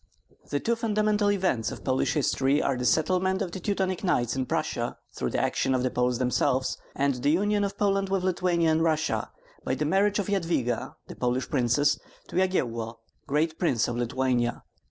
The two fundamental events of Polish history are the settlement of the Teutonic Knights in Prussia, through the action of the Poles themselves; and the union of Poland with Lithuania and Russia by the marriage of Yadviga, the Polish princess, to Yagyello, Grand Prince of Lithuania.